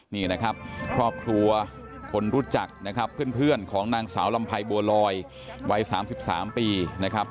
นี่นะครับครอบครัวคนรู้จักนะครับเพื่อนของนางสาวลำไพบัวลอยวัย๓๓ปีนะครับ